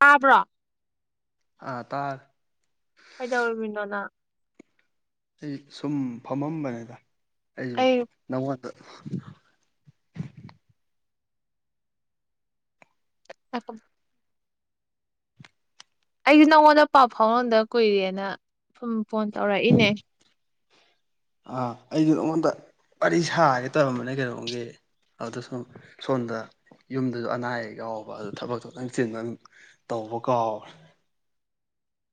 ꯇꯥꯕ꯭ꯔꯣ ꯑꯥ ꯇꯥꯔꯦ ꯀꯩꯗꯧꯔꯝꯂꯤꯅꯣ ꯅꯪ ꯑꯩ ꯁꯨꯝ ꯐꯝꯃꯝꯕꯅꯦꯗ ꯑꯩ ꯅꯧ ꯋꯥ [unintelligible] [unintelligible] ꯑꯩꯁꯦ ꯅꯪꯉꯣꯟꯗ ꯄꯥꯎ ꯐꯥꯎꯅꯗ ꯀꯨꯏꯔꯦꯅ ꯁꯨꯝ ꯐꯣꯟ ꯇꯧꯔꯛꯏꯅꯦ ꯑꯥ ꯑꯩꯒꯤ ꯅꯉꯣꯟꯗ ꯋꯥꯔꯤ ꯁꯥꯒꯦ ꯇꯧꯔꯝꯕꯅꯦ ꯀꯩꯅꯣꯝꯒꯤ ꯑꯗꯨ ꯁꯨꯝ ꯁꯣꯝꯗ ꯌꯨꯝꯗꯁꯨ ꯑꯅꯥ ꯑꯌꯦꯛ ꯌꯥꯎꯕ ꯑꯗꯨ ꯊꯕꯛꯇꯣ ꯈꯤꯇꯪ ꯆꯤꯟꯕ ꯑꯗꯨꯝ ꯇꯧꯕ ꯀꯥꯎ꯭ꯔꯦ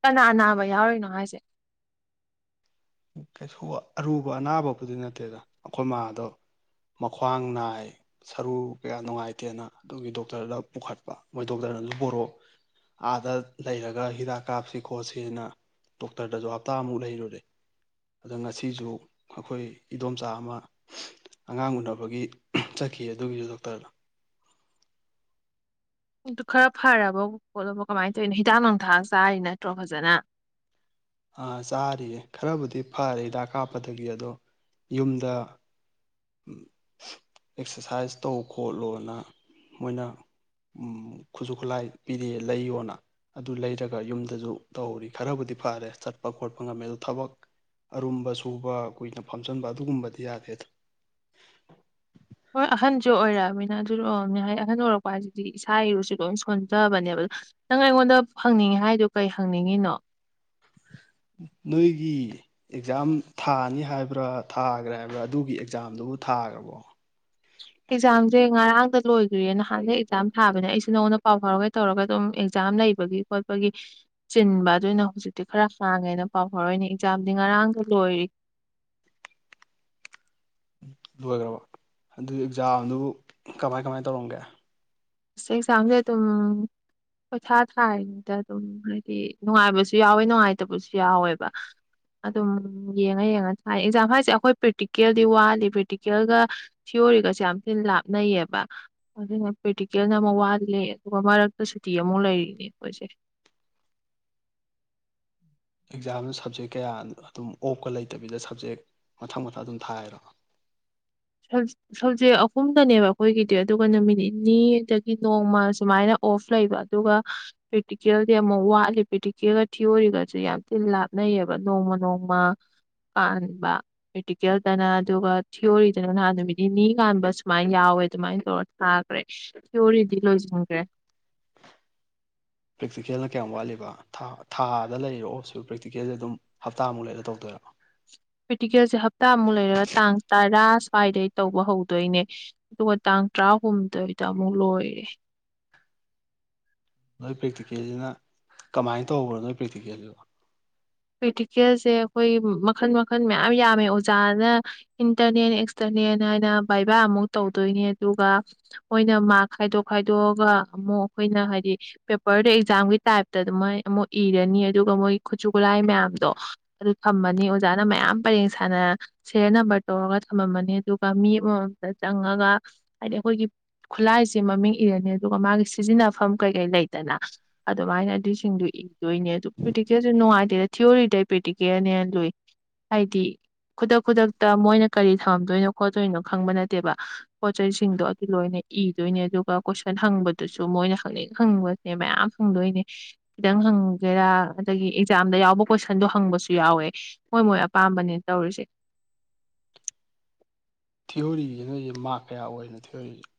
ꯀꯅꯥ ꯅꯥꯕ ꯌꯥꯎꯔꯤꯅꯣ ꯍꯥꯏꯁꯦ ꯀꯩꯁꯨ ꯑꯔꯨꯕ ꯑꯅꯥꯕꯕꯨꯗꯤ ꯅꯠꯇꯦꯗ ꯑꯩꯈꯣꯏ ꯃꯥꯥꯗꯣ ꯃꯈ꯭ꯋꯥꯡ ꯅꯥꯏ ꯁꯔꯨ ꯀꯌꯥ ꯅꯨꯡꯉꯥꯏꯇꯦꯅ ꯑꯗꯨꯒꯤ ꯗꯣꯛꯇꯔꯗ ꯄꯨꯈꯠꯄ ꯃꯣꯏ ꯗꯣꯛꯇꯔꯅꯁꯨꯨ ꯄꯨꯔꯛꯑꯣ ꯑꯥꯗ ꯂꯩꯔꯒ ꯍꯤꯗꯥꯛ ꯀꯥꯞꯁꯤ ꯈꯣꯠꯁꯤꯅ ꯗꯣꯛꯇꯔꯗꯁꯨ ꯍꯞꯇꯥꯃꯨꯛ ꯂꯩꯔꯨꯔꯦ ꯑꯗꯣ ꯉꯁꯤꯁꯨ ꯑꯩꯈꯣꯏ ꯏꯗꯣꯝꯆꯥ ꯑꯃ ꯑꯉꯥꯡ ꯎꯟꯅꯕꯒꯤ ꯆꯠꯈꯤ ꯑꯗꯨꯒꯤꯁꯨ ꯗꯣꯛꯇꯔꯗ ꯈꯔ ꯐꯔꯕ ꯈꯣꯠꯂꯕ ꯀꯃꯥꯏꯅ ꯇꯧꯔꯤꯅꯣ ꯍꯤꯗꯥꯛ ꯂꯥꯡꯊꯥꯛ ꯆꯥꯔꯤ ꯅꯠꯇ꯭ꯔꯣ ꯐꯖꯅ ꯑꯥ ꯆꯥꯔꯤꯌꯦ ꯈꯔꯕꯨꯗꯤ ꯐꯔꯦ ꯍꯤꯗꯥꯛ ꯀꯥꯞꯄꯗꯒꯤ ꯑꯗꯣ ꯌꯨꯝꯗ ꯑꯦꯛꯁꯔꯁꯥꯏꯁ ꯇꯧ ꯈꯣꯠꯂꯣꯅ ꯃꯣꯏꯅ ꯈꯨꯠꯁꯨ ꯈꯨꯠꯂꯥꯏ ꯄꯤꯔꯛꯑꯦ ꯂꯩꯌꯣꯅ ꯑꯗꯨ ꯂꯩꯔꯒ ꯌꯨꯝꯗꯁꯨ ꯇꯧꯔꯤ ꯈꯔꯕꯨꯗꯤ ꯐꯔꯦ ꯆꯠꯄ ꯈꯣꯠꯄ ꯉꯝꯃꯦ ꯑꯗꯨ ꯊꯕꯛ ꯑꯔꯨꯝꯕ ꯁꯨꯕ ꯀꯨꯏꯅ ꯐꯝꯖꯟꯕ ꯑꯗꯨꯒꯨꯝꯕꯗꯤ ꯌꯥꯗꯦ ꯍꯣꯏ ꯑꯍꯟꯁꯨ ꯑꯣꯏꯔꯛꯑꯃꯤꯅ ꯑꯗꯨꯅ ꯑꯣꯏꯔꯝꯅꯤ ꯍꯥꯏꯗꯤ ꯑꯍꯟ ꯑꯣꯏꯔꯛꯄ ꯍꯥꯏꯁꯤꯗꯤ ꯏꯁꯥ ꯏꯔꯨꯁꯨ ꯂꯣꯏ ꯁꯣꯟꯗꯕꯅꯦꯕ ꯅꯪ ꯑꯩꯉꯣꯟꯗ ꯍꯪꯅꯤꯡꯉꯤ ꯍꯥꯏꯗꯣ ꯀꯩ ꯍꯪꯅꯤꯡꯉꯤꯅꯣ ꯅꯣꯏꯒꯤ ꯑꯦꯛꯖꯥꯝ ꯊꯥꯅꯤ ꯍꯥꯏꯕ꯭ꯔꯥ ꯊꯥꯈ꯭ꯔꯦ ꯍꯥꯏꯕ꯭ꯔꯥ ꯑꯗꯨꯒꯤ ꯑꯦꯛꯖꯥꯝꯗꯨꯕꯨ ꯊꯥꯈ꯭ꯔꯕꯣ ꯑꯦꯛꯖꯥꯝꯁꯦ ꯉꯔꯥꯡꯗ ꯂꯣꯏꯈ꯭ꯔꯦ ꯅꯍꯥꯟꯗꯩꯩ ꯑꯦꯛꯖꯥꯝ ꯊꯥꯕꯅꯦ ꯑꯩꯁꯦ ꯅꯉꯣꯟꯗ ꯄꯥꯎ ꯐꯥꯎꯔꯒꯦ ꯇꯧꯔꯒ ꯑꯗꯨꯝ ꯑꯦꯛꯖꯥꯝ ꯂꯩꯕꯒꯤ ꯈꯣꯠꯄꯒꯤ ꯆꯤꯟꯕ ꯑꯗꯨꯏꯅ ꯍꯧꯖꯤꯛꯇꯤ ꯈꯔ ꯍꯥꯡꯉꯦꯅ ꯄꯥꯎ ꯐꯥꯎꯔꯛꯏꯅꯦ ꯑꯦꯛꯖꯥꯝꯗꯤ ꯉꯔꯥꯡꯗ ꯂꯣꯏꯔꯤ ꯂꯣꯏꯈ꯭ꯔꯕ ꯑꯗꯨ ꯑꯦꯛꯖꯥꯝꯗꯨ ꯀꯃꯥꯏ ꯀꯃꯥꯏꯅ ꯇꯧꯔꯝꯒꯦ ꯑꯁ ꯑꯦꯛꯖꯥꯝꯁꯦ ꯑꯗꯨꯝ ꯄꯪꯊꯥ ꯊꯥꯔꯤꯅꯦꯗ ꯑꯗꯨꯝ ꯍꯥꯏꯗꯤ ꯅꯨꯡꯉꯥꯏꯕꯁꯨ ꯌꯥꯎꯋꯦ ꯅꯨꯡꯉꯥꯏꯇꯕꯁꯨ ꯌꯥꯎꯋꯦꯕ ꯑꯗꯨꯝ ꯌꯦꯡꯉ ꯌꯦꯡꯉ ꯊꯥꯏ ꯑꯦꯛꯖꯥꯝ ꯍꯥꯏꯁꯦ ꯑꯩꯈꯣꯏ ꯄ꯭ꯔꯦꯛꯇꯤꯀꯦꯜꯗꯤ ꯋꯥꯠꯂꯤ ꯄ꯭ꯔꯦꯛꯇꯤꯀꯦꯜꯒ ꯊꯤꯑꯣꯔꯤꯒꯁꯦ ꯌꯥꯝ ꯊꯤꯅ ꯂꯥꯞꯅꯩꯌꯦꯕ ꯑꯗꯨꯅ ꯄ꯭ꯔꯦꯛꯇꯤꯀꯦꯜꯅ ꯑꯃ ꯋꯥꯗꯤ ꯂꯩ ꯑꯗꯨꯒ ꯃꯔꯛꯇ ꯁꯨꯇꯤ ꯑꯃꯨꯛ ꯂꯩꯔꯤꯅꯦ ꯑꯩꯈꯣꯏꯁꯦ ꯑꯦꯛꯖꯥꯝꯗ ꯁꯕꯖꯦꯛ ꯀꯌꯥ ꯑꯗꯨꯝ ꯑꯣꯛꯀ ꯂꯩꯇꯕꯤꯗ ꯁꯕꯖꯦꯛ ꯃꯊꯪ ꯃꯊꯪ ꯑꯗꯨꯝ ꯊꯥꯏꯔꯣ ꯁꯕꯖꯦꯛ ꯑꯍꯨꯝꯗꯅꯦꯕ ꯑꯩꯈꯣꯏꯒꯤꯗꯤ ꯑꯗꯨꯒ ꯅꯨꯃꯤꯠ ꯅꯤꯅꯤꯗꯒꯤ ꯅꯣꯡꯃ ꯁꯨꯃꯥꯏꯅ ꯑꯣꯐ ꯂꯩꯕ ꯑꯗꯨꯒ ꯄ꯭ꯔꯦꯛꯇꯤꯀꯦꯜꯗꯤ ꯑꯃꯨꯛ ꯋꯥꯠꯂꯤ ꯄ꯭ꯔꯦꯛꯇꯤꯀꯦꯜꯒ ꯊꯤꯌꯣꯔꯤꯒꯁꯨ ꯌꯥꯝ ꯊꯤꯅ ꯂꯥꯞꯅꯩꯌꯦꯕ ꯅꯣꯡꯃ ꯅꯣꯡꯃ ꯀꯥꯟꯍꯟꯕ ꯄ꯭ꯔꯦꯛꯇꯤꯀꯦꯜꯗꯅ ꯑꯗꯨꯒ ꯊꯤꯌꯣꯔꯤ ꯀꯩꯅꯣ ꯅꯍꯥꯟ ꯅꯨꯃꯤꯠ ꯅꯤꯅꯤ ꯀꯥꯟꯕ ꯁꯨꯃꯥꯏꯅ ꯌꯥꯎꯋꯦ ꯑꯗꯨꯃꯥꯏꯅ ꯇꯧꯔ ꯊꯥꯈ꯭ꯔꯦ ꯊꯤꯑꯣꯔꯤꯗꯤ ꯂꯣꯏꯁꯤꯟꯈ꯭ꯔꯦ ꯄ꯭ꯔꯦꯛꯇꯤꯀꯦꯜꯅ ꯀꯌꯥꯝ ꯋꯥꯠꯂꯤꯕ ꯊꯥꯗ ꯂꯩꯔꯤꯔꯣ ꯑꯣꯜꯁꯨ ꯄ꯭ꯔꯦꯛꯇꯤꯀꯦꯜꯁꯦ ꯑꯗꯨꯝ ꯍꯞꯇꯥꯃꯨꯛ ꯂꯩꯔ ꯇꯧꯗꯣꯏꯔꯣ ꯄꯔ꯭ꯦꯛꯇꯤꯀꯦꯜꯁꯦ ꯍꯞꯇꯥꯃꯨꯛ ꯂꯩꯔꯒ ꯇꯥꯡ ꯇꯔꯥ ꯁ꯭ꯋꯥꯏꯗꯩ ꯇꯧꯕ ꯍꯧꯗꯣꯏꯅꯦ ꯑꯗꯨꯒ ꯇꯥꯡ ꯇꯔꯥꯍꯨꯝꯗꯣꯏꯗ ꯑꯃꯨꯛ ꯂꯣꯏꯔꯦ ꯅꯣꯏ ꯄ꯭ꯔꯦꯛꯇꯤꯀꯦꯜꯁꯤꯅ ꯀꯃꯥꯏꯅ ꯇꯧꯕ꯭ꯔꯣ ꯅꯣꯏ ꯄ꯭ꯔꯦꯛꯇꯤꯀꯦꯜꯁꯤꯕꯣ ꯀ꯭ꯔꯤꯇꯤꯀꯦꯜꯁꯦ ꯑꯩꯈꯣꯏ ꯃꯈꯜ ꯃꯈꯜ ꯃꯌꯥꯝ ꯌꯥꯝꯃꯦ ꯑꯣꯖꯥꯅ ꯏꯟꯇꯔꯅꯦꯜ ꯑꯦꯛꯁꯇꯔꯅꯦꯜ ꯍꯥꯏꯅ ꯕꯥꯏꯕꯥ ꯑꯃꯨꯛ ꯇꯧꯗꯣꯏꯅꯤ ꯑꯗꯨꯒ ꯃꯣꯏꯅ ꯃꯥꯛ ꯈꯥꯏꯗꯣꯛ ꯈꯥꯏꯗꯣꯛꯑꯒ ꯑꯃꯨꯛ ꯑꯩꯈꯣꯏꯅ ꯍꯥꯏꯗꯤ ꯄꯦꯄꯔꯗ ꯑꯦꯛꯖꯥꯝꯒꯤ ꯇꯥꯏꯞꯇ ꯑꯗꯨꯃꯥꯏꯅ ꯑꯃꯨꯛ ꯏꯔꯅꯤ ꯑꯗꯨꯒ ꯃꯣꯏ ꯈꯨꯠꯁꯨ ꯈꯨꯠꯂꯥꯏ ꯃꯌꯥꯝꯗꯣ ꯑꯗꯨ ꯊꯝꯃꯅꯤ ꯑꯣꯖꯥꯅ ꯃꯌꯥꯝ ꯄꯔꯦꯡ ꯁꯥꯟꯅ ꯁꯦꯔꯦꯜ ꯅꯝꯕꯔ ꯇꯧꯔꯒ ꯊꯝꯃꯝꯃꯅꯤ ꯑꯗꯨꯒ ꯃꯤ ꯑꯃꯃꯝꯇ ꯆꯪꯉꯒ ꯍꯥꯏꯗꯤ ꯑꯩꯈꯣꯏꯒꯤ ꯈꯨꯠꯂꯥꯏꯁꯤ ꯃꯃꯤꯡ ꯏꯔꯅꯤ ꯑꯗꯨꯒ ꯃꯥꯒꯤ ꯁꯤꯖꯤꯟꯅꯐꯝ ꯀꯩ ꯀꯩ ꯂꯩꯇꯅ ꯑꯗꯨꯃꯥꯏꯅ ꯑꯗꯨꯁꯤꯡꯗꯨ ꯏꯗꯣꯏꯅꯦ ꯑꯗꯨ ꯄ꯭ꯔꯤꯦꯛꯇꯤꯀꯦꯜꯁꯦ ꯅꯨꯡꯉꯥꯏꯇ ꯗ ꯊꯤꯑꯣꯔꯤꯗꯩ ꯄ꯭ꯔꯦꯛꯇꯤꯀꯦꯜꯅ ꯍꯦꯟꯅ ꯂꯨꯏ ꯍꯥꯏꯗꯤ ꯈꯨꯗꯛ ꯈꯨꯗꯛꯇ ꯃꯣꯏꯅ ꯀꯔꯤ ꯊꯝꯃꯝꯗꯣꯏꯅꯣ ꯈꯣꯠꯇꯣꯏꯅꯣ ꯈꯪꯕ ꯅꯠꯇꯦꯕ ꯄꯣꯠ ꯆꯩꯁꯤꯡꯁꯤꯡꯗꯣ ꯑꯗꯨ ꯂꯣꯏꯅ ꯏꯗꯣꯏꯅꯦ ꯑꯗꯨꯒ ꯀꯣꯏꯁꯟ ꯍꯪꯕꯗꯨꯁꯨ ꯃꯣꯏꯅ ꯍꯪꯅꯤꯡ ꯍꯪꯕꯅꯦ ꯃꯌꯥꯝ ꯍꯪꯗꯣꯏꯅꯦ ꯈꯤꯇꯪ ꯍꯪꯒꯦꯔꯥ ꯑꯗꯒꯤ ꯑꯦꯛꯖꯥꯝꯗ ꯌꯥꯎꯕ ꯀꯣꯏꯁꯟꯗꯣ ꯍꯪꯕꯁꯨ ꯌꯥꯎꯋꯦ ꯃꯣꯏ ꯃꯣꯏ ꯑꯄꯥꯝꯕꯅꯤ ꯇꯧꯔꯤꯁꯦ ꯊꯤꯑꯣꯔꯤꯁꯤ ꯅꯣꯏꯁꯦ ꯃꯥꯔꯛ ꯀꯌꯥ ꯑꯣꯏꯔꯤꯅꯣ ꯊꯤꯑꯣꯔꯤꯁꯦ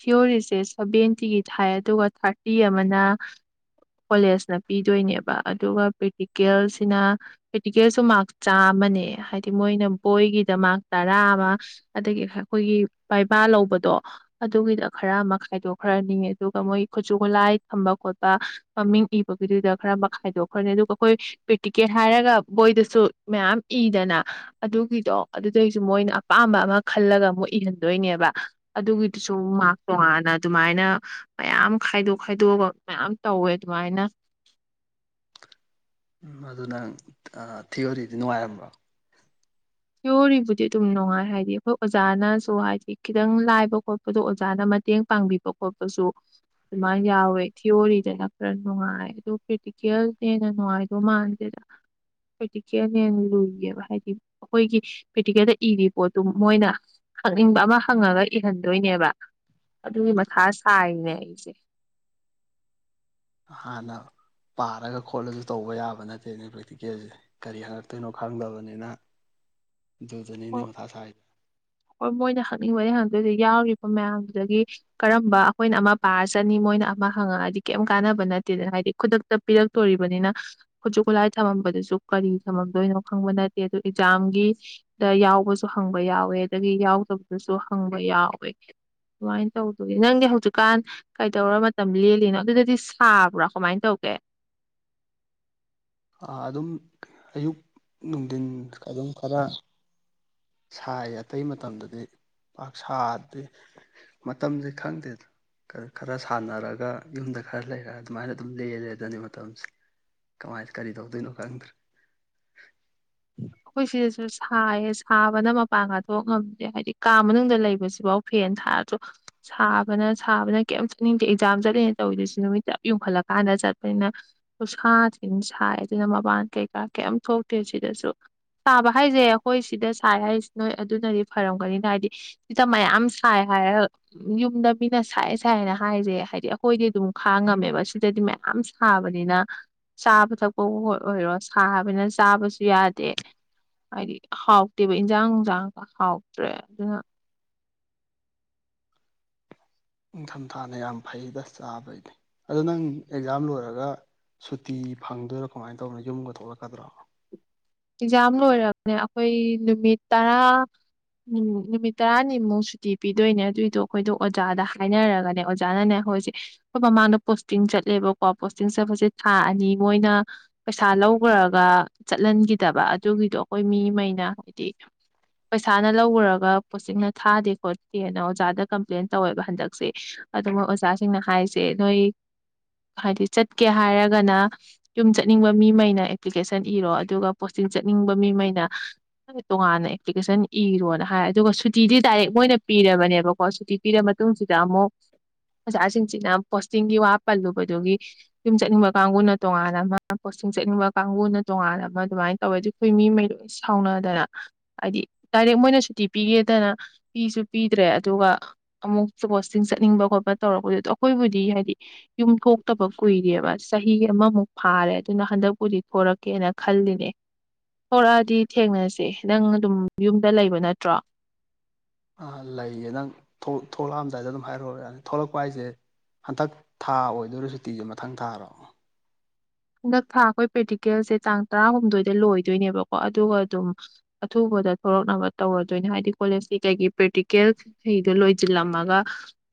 ꯊꯤꯑꯣꯔꯤꯁꯦ ꯁꯚꯦꯟꯇꯤꯒꯤ ꯊꯥꯏ ꯑꯗꯨꯒ ꯊꯥꯔꯇꯤ ꯑꯃꯅ ꯀꯣꯂꯦꯖꯅ ꯄꯤꯗꯣꯏꯅꯦꯕ ꯑꯗꯨꯒ ꯄ꯭ꯔꯦꯛꯇꯤꯀꯦꯜꯁꯤꯅ ꯄ꯭ꯔꯦꯛꯇꯤꯀꯦꯜꯁꯨ ꯃꯥꯛ ꯆꯥꯝꯃꯅꯦ ꯍꯥꯏꯗꯤ ꯃꯣꯏꯅ ꯕꯣꯏꯒꯤꯗ ꯃꯥꯔꯛ ꯇꯔꯥ ꯑꯃ ꯑꯗꯒꯤ ꯑꯩꯈꯣꯏꯒꯤ ꯕꯩꯕꯥ ꯂꯧꯕꯗꯣ ꯑꯗꯨꯒꯤꯗ ꯈꯔ ꯑꯃ ꯈꯥꯏꯗꯣꯛꯈ꯭ꯔꯅꯤꯉ ꯑꯗꯨꯒ ꯃꯣꯏ ꯈꯨꯠꯁꯨ ꯈꯨꯠꯂꯥꯏ ꯊꯝꯕ ꯈꯣꯠꯄ ꯃꯃꯤꯡ ꯏꯕꯒꯤꯗꯨꯗ ꯈꯔ ꯑꯃ ꯈꯥꯏꯗꯣꯛꯈ꯭ꯔꯅꯤ ꯑꯗꯨꯒ ꯑꯩꯈꯣꯏ ꯄ꯭ꯔꯦꯛꯇꯤꯀꯦꯜ ꯍꯥꯏꯔꯒ ꯕꯣꯏꯗꯁꯨ ꯃꯌꯥꯝ ꯏꯗꯅ ꯑꯗꯨꯒꯤꯗꯣ ꯑꯗꯨꯗꯩꯁꯨ ꯃꯣꯏꯅ ꯑꯄꯥꯝꯕ ꯑꯃ ꯈꯜꯂꯒ ꯃꯨꯛ ꯏꯍꯟꯗꯣꯏꯅꯦꯕ ꯑꯗꯨꯒꯤ ꯑꯗꯨꯁꯨ ꯃꯥꯥꯛꯁ ꯇꯣꯉꯥꯟꯅ ꯑꯗꯨꯃꯥꯏꯅ ꯃꯌꯥꯝ ꯈꯥꯏꯗꯣꯛ ꯈꯥꯏꯗꯣꯛꯑꯒ ꯃꯌꯥꯝ ꯇꯧꯋꯦ ꯑꯗꯨꯃꯥꯏꯅ ꯎꯝ ꯑꯗꯨ ꯅꯪ ꯊꯤꯑꯣꯔꯤꯗꯤ ꯅꯨꯡꯉꯥꯏꯔꯝꯕ꯭ꯔꯣ ꯊꯤꯑꯣꯔꯤꯕꯨꯗꯤ ꯑꯗꯨꯝ ꯅꯨꯡꯉꯥꯏ ꯍꯥꯏꯗꯤ ꯑꯩꯈꯣꯏ ꯑꯣꯖꯥꯅꯁꯨ ꯍꯥꯏꯗꯤ ꯈꯤꯇꯪ ꯂꯥꯏꯕ ꯈꯣꯠꯄꯗꯣ ꯑꯣꯖꯥꯅ ꯃꯇꯦꯡ ꯄꯥꯡꯕꯤꯕ ꯈꯣꯠꯄꯁꯨ ꯑꯗꯨꯃꯥꯏꯅ ꯌꯥꯎꯋꯦ ꯊꯤꯌꯣꯔꯤꯗꯅ ꯈꯔ ꯅꯨꯡꯉꯥꯏ ꯑꯗꯨ ꯄ꯭ꯔꯦꯛꯇꯤꯀꯦꯜꯅ ꯍꯦꯟꯅ ꯅꯨꯡꯉꯥꯏꯗꯧ ꯃꯥꯟꯗꯦꯗ ꯄ꯭ꯔꯦꯛꯇꯤꯀꯦꯜ ꯍꯦꯟꯅ ꯂꯨꯏꯌꯦꯕ ꯍꯥꯏꯗꯤ ꯑꯩꯈꯣꯏꯒꯤ ꯄ꯭ꯔꯦꯛꯇꯤꯀꯦꯜꯗ ꯏꯔꯤ ꯄꯣꯠꯇꯨ ꯃꯣꯏꯅ ꯍꯪꯅꯤꯡꯕ ꯑꯃ ꯍꯪꯉꯒ ꯏꯍꯟꯗꯣꯏꯅꯦꯕ ꯑꯗꯨꯒꯤ ꯃꯊꯥ ꯁꯥꯏꯅꯦ ꯑꯩꯁꯦ ꯍꯥꯟꯅ ꯄꯥꯔꯒ ꯈꯣꯠꯂꯁꯨ ꯇꯧꯕ ꯌꯥꯕ ꯅꯠꯇꯦꯅꯦ ꯄ꯭ꯔꯦꯛꯇꯤꯀꯦꯜꯁꯦ ꯀꯔꯤ ꯍꯪꯉꯛꯇꯣꯏꯅꯣ ꯈꯪꯗꯕꯅꯤꯅ ꯑꯗꯨꯗꯅꯤꯅꯦ ꯍꯣꯏ ꯃꯊꯥꯁꯥꯏ ꯍꯣꯏ ꯃꯣꯏꯅ ꯍꯪꯅꯤꯡꯕꯗꯤ ꯍꯪꯉꯛꯗꯣꯏꯗꯤ ꯌꯥꯎꯔꯤꯕ ꯃꯌꯥꯝꯗꯨꯗꯒꯤ ꯀꯔꯝꯕ ꯑꯩꯈꯣꯏꯅ ꯑꯃ ꯄꯥꯔ ꯆꯅꯤ ꯃꯣꯏꯅ ꯑꯃ ꯍꯪꯉꯛꯑꯗꯤ ꯀꯩꯝ ꯀꯥꯟꯅꯕ ꯅꯠꯇꯦꯗꯅ ꯍꯥꯏꯗꯤ ꯈꯨꯗꯛꯇ ꯄꯤꯔꯛꯇꯣꯔꯤꯕꯅꯤꯅ ꯈꯨꯠꯁꯨ ꯈꯨꯠꯂꯥꯏ ꯊꯝꯃꯝꯕꯗꯨꯁꯨ ꯀꯔꯤ ꯊꯝꯃꯝꯗꯣꯏꯅꯣ ꯈꯪꯕ ꯅꯠꯇꯦ ꯑꯗꯨ ꯑꯦꯛꯖꯥꯝꯒꯤ ꯗ ꯌꯥꯎꯕꯁꯨ ꯍꯪꯕ ꯌꯥꯎꯋꯦ ꯗꯒꯤ ꯌꯥꯎꯗꯕꯗꯨꯁꯨ ꯍꯪꯕ ꯌꯥꯎꯋꯦ ꯑꯗꯨꯃꯥꯏꯅ ꯇꯧꯗꯒ ꯅꯪꯗꯤ ꯍꯧꯖꯤꯛꯀꯥꯟ ꯀꯩꯗꯧꯔ ꯃꯇꯝ ꯂꯦꯜꯂꯤꯅꯣ ꯑꯗꯨꯗꯗꯤ ꯁꯥꯕ꯭ꯔꯥ ꯀꯃꯥꯏꯅ ꯇꯧꯒꯦ ꯑꯗꯨꯝ ꯑꯌꯨꯛ ꯅꯨꯡꯊꯤꯟ ꯑꯗꯨꯝ ꯈꯔ ꯁꯥꯏ ꯑꯇꯩ ꯃꯇꯝꯗꯗꯤ ꯄꯥꯛ ꯁꯥꯗꯦ ꯃꯇꯝꯁꯦ ꯈꯪꯗꯦ ꯈꯔ ꯁꯥꯟꯅꯔꯒ ꯌꯨꯝꯗ ꯈꯔ ꯂꯩꯔꯒ ꯑꯗꯨꯃꯥꯏꯅ ꯑꯗꯨꯝ ꯂꯦꯜꯂꯦ ꯑꯗꯨꯅꯤ ꯃꯇꯝꯁꯦ ꯀꯃꯥꯏꯅ ꯀꯔꯤ ꯇꯧꯗꯣꯏꯅꯣ ꯈꯪꯗ꯭ꯔꯦ ꯑꯩꯈꯣꯏ ꯁꯤꯗꯁꯨ ꯁꯥꯏꯌꯦ ꯁꯥꯕꯅ ꯃꯄꯥꯟꯒ ꯊꯣꯛꯉꯝꯗꯦ ꯍꯥꯏꯗꯤ ꯀꯥ ꯃꯅꯨꯡꯗ ꯂꯩꯕꯁꯤꯐꯥꯎ ꯐꯦꯟ ꯊꯥꯔꯁꯨ ꯁꯥꯕꯅ ꯁꯥꯕꯅ ꯀꯩꯝ ꯆꯠꯅꯤꯡꯗꯦ ꯑꯦꯛꯖꯥꯝ ꯆꯠꯂꯤꯅꯦꯅ ꯇꯧꯔꯤꯗꯨꯁꯨ ꯅꯨꯃꯤꯠ ꯆꯞ ꯌꯨꯝꯈꯠꯂꯀꯥꯟꯗ ꯆꯠꯄꯅꯤꯅ ꯈꯨꯁꯥꯊꯤ ꯑꯝ ꯁꯥꯏ ꯑꯗꯨꯅ ꯃꯄꯥꯟ ꯀꯩꯀꯥ ꯀꯩꯝ ꯊꯣꯛꯇꯦ ꯁꯤꯗꯁꯨ ꯁꯥꯕ ꯍꯥꯏꯁꯦ ꯑꯩꯈꯣꯏ ꯁꯤꯗ ꯁꯥꯏ ꯍꯥꯏꯁꯤ ꯅꯣꯏ ꯑꯗꯨꯅꯗꯤ ꯐꯔꯝꯒꯅꯤꯅ ꯍꯥꯏꯗꯤ ꯁꯤꯗ ꯃꯌꯥꯝ ꯁꯥꯏ ꯍꯥꯏꯔꯒ ꯌꯨꯝꯗ ꯃꯤꯅ ꯁꯥꯏ ꯁꯥꯏꯅ ꯍꯥꯏꯁꯦ ꯍꯥꯏꯗꯤ ꯑꯩꯈꯣꯏꯗꯤ ꯑꯗꯨꯝ ꯈꯥꯡꯉꯝꯃꯦꯕ ꯁꯤꯗꯗꯤ ꯃꯌꯥꯝ ꯁꯥꯕꯅꯤꯅ ꯆꯥꯕ ꯊꯛꯄꯕꯨ ꯑꯣꯏꯔꯣ ꯁꯥꯕꯅꯤꯅ ꯆꯥꯕꯁꯨ ꯌꯥꯗꯦ ꯗꯦ ꯍꯥꯏꯗꯤ ꯍꯥꯎꯇꯦꯕ ꯏꯟꯖꯥꯡ ꯅꯨꯡꯁꯥꯡꯒ ꯍꯥꯎꯇ꯭ꯔꯦ ꯑꯗꯨꯅ ꯅꯤꯡꯊꯝꯊꯥꯅ ꯌꯥꯝ ꯐꯩꯗ ꯆꯥꯕꯩꯗꯤ ꯑꯗꯣ ꯅꯪ ꯑꯦꯛꯖꯥꯝ ꯂꯣꯏꯔꯒ ꯁꯨꯇꯤ ꯐꯪꯗꯣꯏꯔꯥ ꯀꯃꯥꯏꯅ ꯇꯧꯕꯅꯣ ꯌꯨꯝꯒ ꯊꯣꯛꯂꯛꯀꯗ꯭ꯔꯣ ꯑꯦꯛꯖꯥꯝ ꯂꯣꯏꯔꯔꯕꯅꯤꯅ ꯑꯩꯈꯣꯏ ꯅꯨꯃꯤꯠ ꯇꯔꯥ ꯎꯝ ꯅꯨꯃꯤꯠ ꯇꯔꯥꯅꯤꯃꯨꯛ ꯁꯨꯇꯤ ꯄꯤꯗꯣꯏꯅꯦ ꯑꯗꯨꯏꯗꯣ ꯑꯩꯈꯣꯏꯗꯣ ꯑꯣꯖꯥꯗ ꯍꯥꯏꯅꯔꯒꯅꯦ ꯑꯣꯖꯥꯅꯅꯦ ꯑꯩꯈꯣꯏꯁꯦ ꯑꯩꯈꯣꯏ ꯃꯃꯥꯡꯗ ꯄꯣꯁꯇꯤꯡ ꯆꯠꯂꯦꯕꯀꯣ ꯄꯣꯁꯇꯤꯡ ꯆꯠꯄꯁꯦ ꯊꯥ ꯑꯅꯤ ꯃꯣꯏꯅ ꯄꯩꯁꯥ ꯂꯧꯈ꯭ꯔꯒ ꯆꯠꯍꯟꯈꯤ ꯐꯠꯇꯕ ꯑꯗꯨꯒꯤꯗꯣ ꯑꯩꯈꯣꯏ ꯃꯤꯉꯩꯅ ꯍꯥꯏꯗꯤ ꯄꯩꯁꯥꯅ ꯂꯧꯔꯨꯔꯒ ꯄꯣꯁꯇꯤꯡꯅ ꯊꯥꯗꯦ ꯈꯣꯠꯇꯦꯅ ꯑꯣꯖꯥꯗ ꯀꯝꯄ꯭ꯂꯦꯟ ꯇꯧꯋꯦꯕ ꯍꯟꯗꯛꯁꯦ ꯑꯗꯨ ꯃꯣꯏ ꯑꯣꯖꯥꯁꯤꯡꯅ ꯍꯥꯏꯁꯦ ꯅꯣꯏ ꯍꯥꯏꯗꯤ ꯆꯠꯀꯦ ꯍꯥꯏꯔꯒꯅ ꯌꯨꯝ ꯆꯠꯅꯤꯡꯕ ꯃꯤꯉꯩꯅ ꯑꯦꯄ꯭ꯂꯤꯀꯦꯁꯟ ꯏꯔꯣ ꯑꯗꯨꯒ ꯄꯣꯁꯇꯤꯡ ꯆꯠꯅꯤꯡꯕ ꯃꯤꯉꯩꯅ ꯇꯣꯉꯥꯟꯅ ꯑꯦꯄ꯭ꯂꯤꯀꯦꯁꯟ ꯏꯔꯣꯅ ꯍꯥꯏ ꯑꯗꯨꯒ ꯁꯨꯇꯤꯗꯤ ꯗꯥꯏꯔꯦꯛ ꯃꯣꯏꯅ ꯄꯤꯔꯕꯅꯦꯕꯀꯣ ꯁꯨꯇꯤ ꯄꯤꯔꯕ ꯃꯇꯨꯡꯁꯤꯗ ꯑꯃꯨꯛ ꯑꯣꯖꯥꯁꯤꯡꯁꯤꯅ ꯄꯣꯁꯇꯤꯡꯒꯤ ꯋꯥ ꯄꯜꯂꯨꯕꯗꯨꯒꯤ ꯌꯨꯝ ꯆꯠꯅꯤꯡꯕ ꯀꯥꯡꯕꯨꯅ ꯇꯣꯉꯥꯟ ꯑꯃ ꯄꯣꯁꯇꯤꯡ ꯆꯠꯅꯤꯡꯕ ꯀꯥꯡꯕꯨꯅ ꯇꯣꯉꯥꯟꯅ ꯑꯃ ꯑꯗꯨꯃꯥꯏꯅ ꯇꯧꯋꯦ ꯑꯗꯨ ꯑꯩꯈꯣꯏ ꯃꯤꯉꯩ ꯂꯣꯏ ꯁꯥꯎꯅꯗꯅ ꯍꯥꯏꯗꯤ ꯗꯥꯏꯔꯦꯛ ꯃꯣꯏꯅ ꯁꯨꯇꯤ ꯄꯤꯒꯦꯗꯅ ꯄꯤꯁꯨ ꯄꯤꯗ꯭ꯔꯦ ꯑꯗꯨꯒ ꯑꯃꯨꯛ ꯀꯣꯠꯁꯤꯡꯤꯡ ꯆꯠꯅꯤꯡꯕ ꯈꯣꯠꯄ ꯇꯧꯔꯛꯄꯗꯨ ꯑꯗꯨꯣ ꯑꯩꯈꯣꯏꯕꯨꯗꯤ ꯍꯥꯏꯗꯤ ꯌꯨꯝ ꯊꯣꯛꯇꯕ ꯀꯨꯏꯔꯑꯕ ꯆꯍꯤ ꯑꯃꯃꯨꯛ ꯐꯥꯔꯦ ꯑꯗꯨꯅ ꯍꯟꯗꯛꯄꯨꯗꯤ ꯊꯣꯔꯛꯀꯦꯅ ꯈꯜꯂꯤ ꯊꯣꯔꯛꯑꯗꯤ ꯊꯦꯡꯅꯁꯦ ꯅꯪ ꯑꯗꯨꯝ ꯌꯨꯝꯗ ꯂꯩꯕ ꯅꯠꯇ꯭ꯔꯣ ꯑꯥ ꯂꯩꯌꯦ ꯅꯪ ꯊꯣꯛꯂꯛꯑꯝꯗꯥꯏꯗ ꯑꯗꯨꯝ ꯍꯥꯏꯔꯛꯑꯣ ꯌꯥꯅꯤ ꯊꯣꯛꯂꯛꯄ ꯍꯥꯏꯁꯦ ꯍꯟꯗꯛ ꯊꯥ ꯑꯣꯗꯣꯏꯔꯣ ꯁꯨꯇꯤꯁꯦ ꯃꯊꯪ ꯊꯥꯔꯣ ꯍꯟꯗꯛ ꯊꯥ ꯑꯩꯈꯣꯏ ꯄ꯭ꯔꯦꯛꯇꯤꯀꯦꯜꯁꯦ ꯇꯥꯡ ꯇꯔꯥꯍꯨꯝꯗꯣꯏꯗ ꯂꯣꯏꯗꯣꯏꯅꯦꯕꯀꯣ ꯑꯗꯨꯒ ꯑꯗꯨꯝ ꯑꯊꯨꯕꯗ ꯊꯣꯛꯂꯛꯅꯕ ꯇꯧꯔꯗꯣꯏꯅꯦ ꯍꯥꯏꯗꯤ ꯀꯣꯂꯦꯖꯀꯤ ꯀꯩꯒꯤ ꯄ꯭ꯔꯦꯛꯇꯤꯀꯦꯜꯈꯩꯗꯣ ꯂꯣꯏꯁꯤꯜꯂꯝꯃꯒ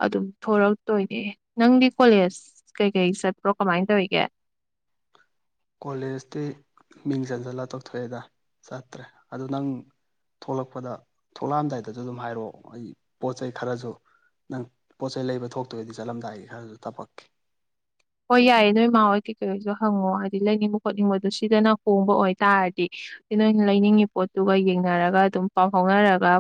ꯑꯗꯨꯝ ꯊꯣꯔꯛꯇꯣꯏꯅꯦ ꯅꯪꯗꯤ ꯀꯣꯂꯦꯖ ꯀꯩꯀꯩ ꯆꯠꯄ꯭ꯔꯣ ꯀꯃꯥꯏꯅ ꯇꯧꯔꯤꯒꯦ ꯀꯣꯂꯦꯖꯇꯤ ꯃꯤꯡ ꯆꯟꯁꯤꯜꯂꯒ ꯇꯧꯊꯣꯛꯑꯦꯗ ꯆꯠꯇ꯭ꯔꯦ ꯑꯗꯨꯗ ꯅꯪ ꯊꯣꯛꯂꯛꯄꯗ ꯊꯣꯛꯂꯛꯑꯝꯗꯥꯏꯗꯁꯨ ꯑꯗꯨꯝ ꯍꯥꯏꯔꯛꯑꯣ ꯑꯩ ꯄꯣꯠ ꯆꯩꯩ ꯈꯔꯁꯨ ꯅꯪ ꯄꯣꯠ ꯆꯩꯩ ꯂꯩꯕ ꯊꯣꯛꯇꯣꯏꯗꯤ ꯆꯠꯂꯝꯗꯥꯏꯒꯤ ꯈꯔꯁꯨ ꯇꯄꯛꯈꯤ ꯍꯣꯏ ꯌꯥꯏꯌꯦ ꯅꯣꯏ ꯃꯥ ꯍꯣꯏ ꯀꯩꯀꯩꯀꯩꯁꯨ ꯍꯪꯉꯣ ꯍꯥꯏꯗꯤ ꯂꯩꯅꯤꯡꯕ ꯈꯣꯠꯅꯤꯡꯕꯗꯣ ꯁꯤꯗꯅ ꯍꯣꯡꯕ ꯑꯣꯏꯇꯥꯥꯔꯗꯤ ꯅꯣꯏꯅ ꯂꯩꯅꯤꯡꯉꯤ ꯄꯣꯠꯇꯨꯒ ꯌꯦꯡꯅꯔꯒ ꯑꯗꯨꯝ ꯄꯥꯎ ꯐꯥꯎꯅꯔꯒ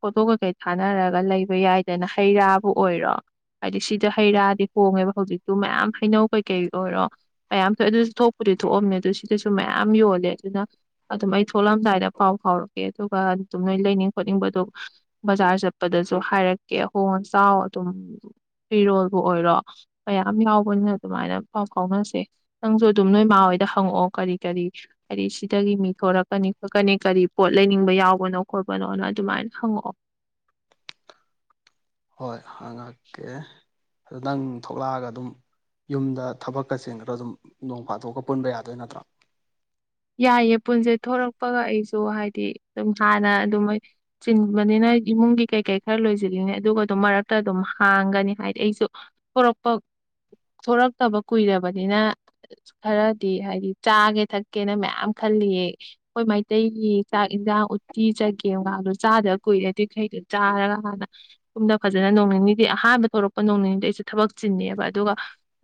ꯐꯣꯇꯣ ꯀꯩꯀꯩ ꯊꯥꯅꯔꯒ ꯂꯩꯕ ꯌꯥꯏꯗꯅ ꯍꯩ ꯔꯥꯕꯨ ꯑꯣꯏꯔꯣ ꯍꯥꯏꯗꯤ ꯁꯤꯗ ꯍꯩ ꯔꯥꯗꯤ ꯍꯣꯡꯉꯦꯕ ꯍꯧꯖꯤꯛꯇꯨ ꯃꯌꯥꯝ ꯍꯩꯅꯧ ꯀꯩꯀꯩ ꯑꯣꯏꯔꯣ ꯃꯌꯥꯝ ꯊꯣꯛꯑꯦ ꯑꯗꯨꯁꯨ ꯊꯣꯛꯄꯨꯗꯤ ꯊꯣꯛꯑꯝꯅꯦ ꯑꯗꯨ ꯁꯤꯗꯁꯨ ꯃꯌꯥꯝ ꯌꯣꯜꯂꯦ ꯑꯗꯨꯅ ꯑꯗꯨꯝ ꯑꯩ ꯊꯣꯛꯂꯝꯑꯗꯥꯏꯗ ꯄꯥꯎ ꯐꯥꯎꯔꯛꯀꯦ ꯑꯗꯨꯒ ꯑꯗꯨꯝ ꯅꯣꯏ ꯂꯩꯅꯤꯡ ꯈꯣꯠꯅꯤꯡꯕꯗꯣ ꯕꯖꯥꯔ ꯆꯠꯄꯗꯁꯨ ꯍꯥꯏꯔꯛꯀꯦ ꯑꯍꯣꯡ ꯑꯆꯥꯎ ꯑꯗꯨꯝ ꯐꯤꯔꯣꯜꯕꯨ ꯑꯣꯏꯔꯣ ꯃꯌꯥꯝ ꯌꯥꯎ ꯑꯩ ꯃꯣꯏꯅ ꯑꯗꯨꯃꯥꯏꯅ ꯄꯥꯎ ꯐꯥꯎꯅꯁꯦ ꯅꯪꯁꯨ ꯑꯗꯨꯝ ꯅꯣꯏꯃꯥ ꯍꯣꯏꯗ ꯍꯪꯉꯛꯑꯣ ꯀꯔꯤ ꯀꯔꯤ ꯍꯥꯏꯗꯤ ꯁꯤꯗꯒꯤ ꯃꯤ ꯊꯣꯔꯛꯀꯅꯤ ꯈꯣꯠꯀꯅꯤ ꯀꯔꯤ ꯄꯣꯠ ꯂꯩꯅꯤꯡꯕ ꯌꯥꯎꯕꯅꯣ ꯈꯣꯠꯄꯅꯣꯅ ꯑꯗꯨꯃꯥꯏꯅ ꯍꯪꯉꯛꯑꯣ ꯍꯣꯏ ꯍꯉꯀꯦ ꯑꯗꯨ ꯅꯪ ꯊꯣꯛꯂꯛꯑꯒ ꯑꯗꯨꯝ ꯌꯨꯝꯗ ꯊꯕꯛꯀ ꯆꯤꯡ ꯈꯗ ꯑꯗꯨꯝ ꯅꯣꯡ ꯐꯥꯗꯣꯛꯑꯒ ꯄꯨꯟꯕ ꯌꯥꯗꯣꯏ ꯅꯠꯇ꯭ꯔꯥ ꯌꯥꯏꯌꯦ ꯄꯨꯟꯁꯦ ꯊꯣꯔꯛꯄꯒ ꯑꯩꯁꯨ ꯍꯥꯏꯗꯤ ꯑꯗꯨꯝ ꯍꯥꯟꯅ ꯑꯗꯨꯝꯃꯥꯏ ꯆꯤꯟꯕꯅꯤꯅ ꯏꯃꯨꯡꯒꯤ ꯀꯩꯀꯩ ꯈꯔ ꯂꯣꯏꯁꯤꯜꯂꯤꯉꯩ ꯑꯗꯨꯒ ꯑꯗꯨꯝ ꯃꯔꯛꯇ ꯑꯗꯨꯝ ꯍꯥꯡꯒꯅꯤ ꯍꯥꯏꯗꯤ ꯑꯩꯁꯨ ꯊꯣꯔꯛꯄ ꯊꯣꯔꯛꯇꯕ ꯀꯨꯏꯔꯕꯅꯤꯅ ꯈꯔꯗꯤ ꯍꯥꯏꯗꯤ ꯆꯥꯒꯦ ꯊꯛ ꯀꯦꯅ ꯃꯌꯥꯝ ꯈꯜꯂꯤꯌꯦ ꯑꯩꯈꯣꯏ ꯃꯩꯇꯩꯒꯤ ꯆꯥꯛ ꯌꯦꯟꯖꯥꯡ ꯎꯠꯇꯤ ꯆꯒꯦꯝꯒꯗꯣ ꯆꯥꯗꯕ ꯀꯨꯏꯔꯦ ꯑꯗꯨꯏꯈꯩꯗꯣ ꯆꯥꯔꯒ ꯍꯥꯟꯅ ꯁꯨꯝꯗ ꯐꯖꯅ ꯅꯣꯡ ꯅꯤꯅꯤꯗꯤ ꯑꯍꯥꯟꯕ ꯊꯣꯛꯂꯛꯄ ꯅꯣꯡ ꯅꯤꯅꯤꯗ ꯑꯩꯁꯨꯦ ꯊꯕꯛ ꯆꯤꯟꯅꯦꯕ ꯑꯗꯨꯒ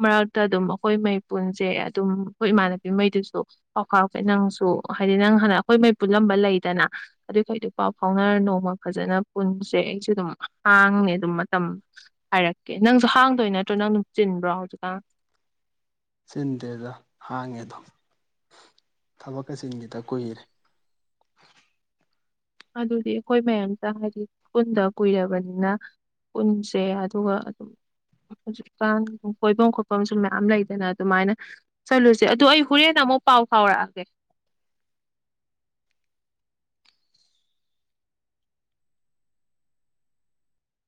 ꯃꯔꯛꯇ ꯑꯗꯨꯝ ꯑꯩꯈꯣꯏ ꯃꯩ ꯄꯨꯟꯁꯦ ꯑꯗꯨꯝ ꯑꯩꯈꯣꯏ ꯏꯃꯥꯟꯅꯕꯤꯉꯩꯗꯨꯁꯨ ꯄꯥꯎ ꯐꯥꯎꯔꯛꯄꯦ ꯅꯪꯁꯨ ꯍꯥꯏꯗꯤ ꯅꯪ ꯍꯥꯟꯅ ꯑꯩꯈꯣꯏ ꯃꯩ ꯄꯨꯜꯂꯝꯕ ꯂꯩꯗꯅ ꯑꯗꯨꯈ ꯑꯗꯨ ꯄꯥꯎ ꯐꯥꯎꯅꯔ ꯅꯣꯡꯃ ꯐꯖꯅ ꯄꯨꯟꯁꯦ ꯑꯩꯁꯨ ꯑꯗꯨꯝ ꯍꯥꯡꯉ ꯑꯗꯨꯝ ꯃꯇꯝ ꯍꯥꯏꯔꯛꯀꯦ ꯅꯪꯁꯨ ꯍꯥꯡꯗꯣꯏ ꯅꯠꯇ꯭ꯔꯣ ꯅꯪ ꯑꯗꯨꯝ ꯆꯤꯟꯕ꯭ꯔꯣ ꯍꯧꯖꯤꯛꯀꯥꯟ ꯆꯤꯟꯗꯦꯗ ꯍꯥꯡꯉꯦꯗꯣ ꯊꯕꯛꯀ ꯆꯤꯟꯒꯤꯗ ꯀꯨꯏꯔꯦ ꯑꯗꯨꯗꯤ ꯑꯩꯈꯣꯏ ꯃꯌꯥꯝꯗ ꯍꯥꯏꯗꯤ ꯄꯨꯟꯗ ꯀꯨꯏꯔꯕꯅꯤꯅ ꯄꯨꯟꯁꯦ ꯑꯗꯨꯒ ꯑꯗꯨꯝ ꯍꯧꯖꯤꯛꯀꯥꯟ ꯀꯣꯏꯐꯝ ꯈꯣꯠꯐꯝꯁꯨ ꯃꯌꯥꯝ ꯂꯩꯗꯅ ꯑꯗꯨꯃꯥꯏꯅ ꯆꯠꯂꯨꯁꯦ ꯑꯗꯨ ꯑꯩ ꯍꯣꯔꯦꯟ ꯑꯃꯨꯛ ꯄꯥꯎ ꯐꯥꯎꯔꯛꯑꯒꯦ